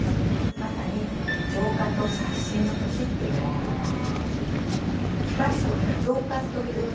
まさに、浄化と刷新の年って言われています。